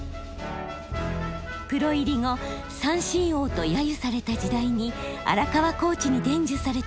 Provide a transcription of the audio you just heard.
プロ入り後「三振王」と揶揄された時代に荒川コーチに伝授されたもの。